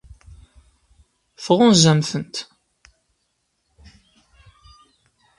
Tɣunzam-tent?